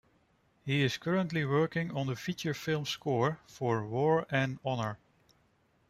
He is currently working on the feature film score for War and Honor.